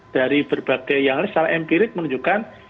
dari berbagai yang salah empirik menunjukkan